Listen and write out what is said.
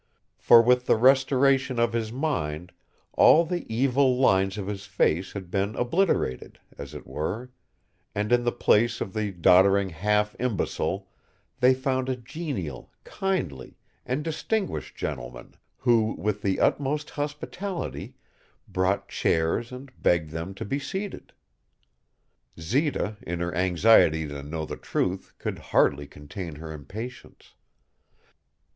For with the restoration of his mind all the evil lines of his face had been obliterated, as it were, and in the place of the doddering half imbecile they found a genial, kindly, and distinguished gentleman who, with the utmost hospitality, brought chairs and begged them to be seated. Zita, in her anxiety to know the truth, could hardly contain her impatience.